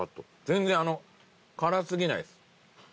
全然あのう辛過ぎないです。